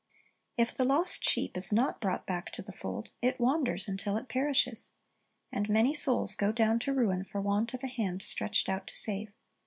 If the lost sheep is not brought back to the fold, it wanders until it perishes. And many souls go down to ruin for want of a hand stretched out to save.